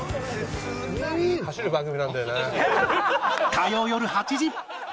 火曜よる８時